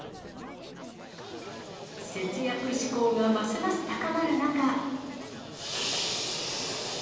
節約志向がますます高まる中。